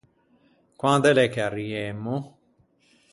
Quande l’é che ariemmo?